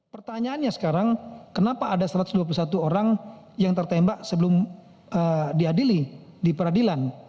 pertanyaannya sekarang kenapa ada satu ratus dua puluh satu orang yang tertembak sebelum diadili di peradilan